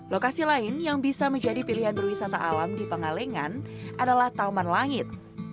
lokasi lain yang bisa menjadi pilihan berwisata alam di pengalengan adalah taman langit